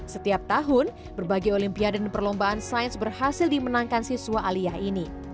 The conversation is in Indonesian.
setiap tahun berbagai olimpia dan perlombaan sains berhasil dimenangkan siswa aliah ini